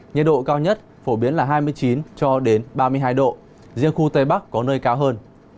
nhiệt độ cao nhất phổ biến là hai mươi chín cho đến ba mươi hai độ riêng khu tây bắc có nơi cao hơn